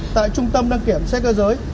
tại trung tâm đăng kiểm xe cơ giới